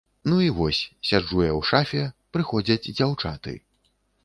Ну і вось, сяджу я ў шафе, прыходзяць дзяўчаты.